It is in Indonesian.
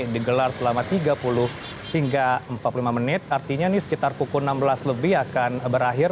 digelar selama tiga puluh hingga empat puluh lima menit artinya ini sekitar pukul enam belas lebih akan berakhir